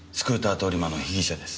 通り魔の被疑者です。